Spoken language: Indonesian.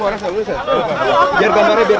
agak harus jadi tersangkut